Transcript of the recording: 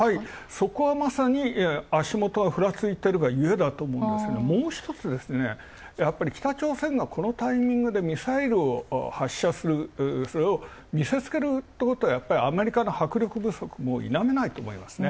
そこは、まさに足元がふらついているゆえだと思うんですけどもやっぱり北朝鮮がこのタイミングでミサイルを発射する、それを見せ付けるってことをアメリカの迫力不足も否めないと思いますね。